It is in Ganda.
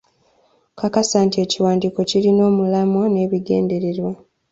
Kakasa nti ekiwandiiko kirina omulamwa, n’ebigendererwa.